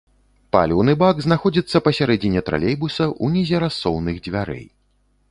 Паліўны бак знаходзіцца пасярэдзіне тралейбуса, унізе рассоўных дзвярэй.